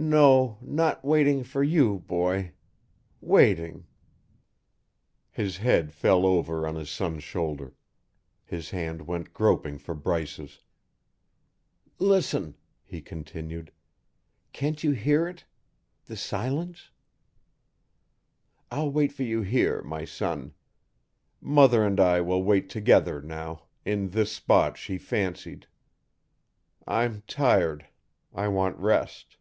"No, not waiting for you, boy waiting " His head fell over on his son's shoulder; his hand went groping for Bryce's. "Listen," he continued. "Can't you hear it the Silence? I'll wait for you here, my son. Mother and I will wait together now in this spot she fancied. I'm tired I want rest.